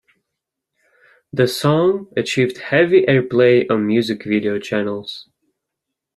The song achieved heavy airplay on music video channels.